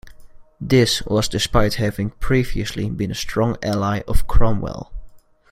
This was despite having previously been a strong ally of Cromwell.